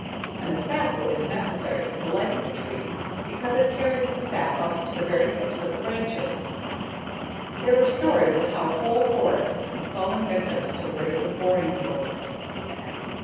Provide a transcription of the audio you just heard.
And the sap wood is necessary to the life of a tree because it carries the sap up to the very tips of the branches. There were stories of how whole forests had fallen victims to the race of boring beetles.